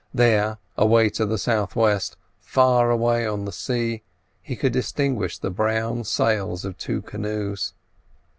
There, away to the south west, far away on the sea, he could distinguish the brown sails of two canoes.